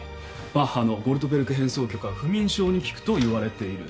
バッハの『ゴルトベルク変奏曲』は不眠症に効くといわれている。